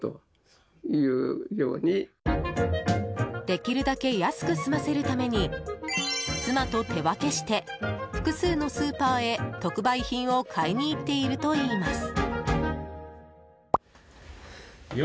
できるだけ安く済ませるために妻と手分けして複数のスーパーへ特売品を買いに行っているといいます。